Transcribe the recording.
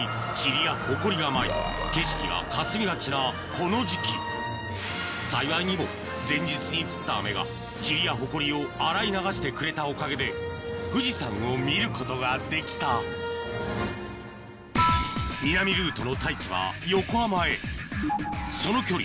この時期幸いにも前日に降った雨がチリやホコリを洗い流してくれたおかげで富士山を見ることができた南ルートの太一は横浜へその距離